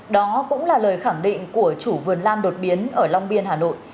đó cũng là lời khẳng định của chủ vườn lan đột biến ở long biên hà nội